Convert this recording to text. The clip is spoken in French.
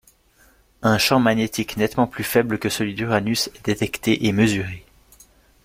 Un champ magnétique nettement plus faible que celui d'Uranus est détecté et mesuré.